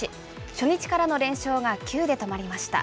初日からの連勝が９で止まりました。